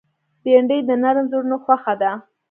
بېنډۍ د نرم زړونو خوښه ده